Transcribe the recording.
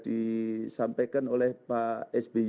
disampaikan oleh pak sby